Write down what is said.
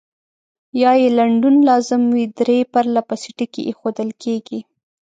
یا یې لنډون لازم وي درې پرلپسې ټکي اېښودل کیږي.